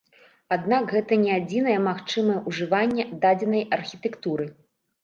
Аднак гэта не адзінае магчымае ужыванне дадзенай архітэктуры.